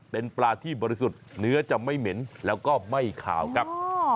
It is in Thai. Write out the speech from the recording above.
เป็นปลาที่บริสุทธิ์เนื้อจะไม่เหม็นแล้วก็ไม่ขาวครับ